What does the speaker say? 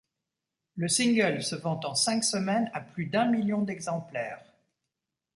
Le single se vend en cinq semaines à plus d'un million d'exemplaires.